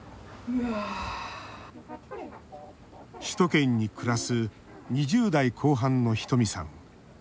首都圏に暮らす２０代後半のひとみさん。